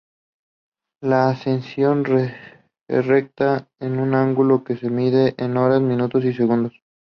La Ascensión recta es un ángulo que se mide en horas, minutos y segundos.